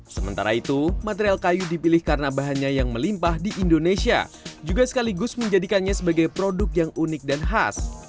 sementara itu material kayu dipilih karena bahannya yang melimpah di indonesia juga sekaligus menjadikannya sebagai produk yang unik dan khas